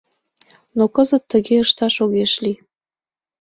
Но кызыт тыге ышташ огеш лий.